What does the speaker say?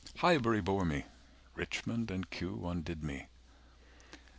Highbury bore me. Richmond and Kew Undid me.